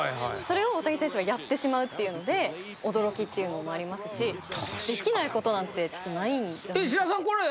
それを大谷選手はやってしまうっていうので驚きっていうのもありますしできないことなんてないんじゃないか。